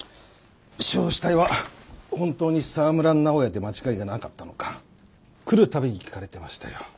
焼死体は本当に沢村直哉で間違いがなかったのか来るたびに聞かれてましたよ。